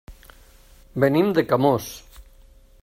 Venim de Camós.